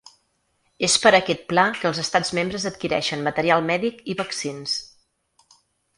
És per aquest pla que els estats membres adquireixen material mèdic i vaccins.